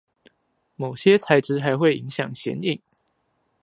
某些材質還會影響顯影